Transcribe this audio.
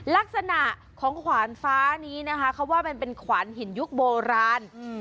ลักษณะของขวานฟ้านี้นะคะเขาว่ามันเป็นขวานหินยุคโบราณ